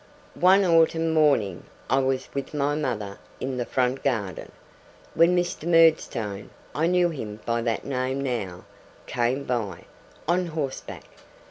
One autumn morning I was with my mother in the front garden, when Mr. Murdstone I knew him by that name now came by, on horseback.